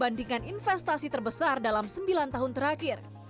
bandingkan investasi terbesar dalam sembilan tahun terakhir